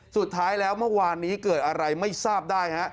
สุดท้ายแล้วเมื่อวานนี้เกิดอะไรไม่ทราบได้ฮะ